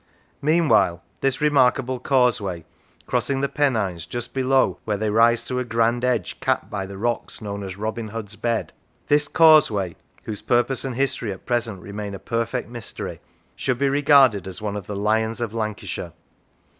Meanwhile, this remarkable causeway, crossing the Pennines just below where they rise to a grand edge capped by the rocks known as Robin Hood's bed: this causeway, whose purpose and history at present remain a perfect mystery, should be regarded as one of the lions of Lancashire.